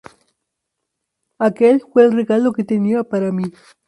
Aquel fue el regalo que tenía para mí".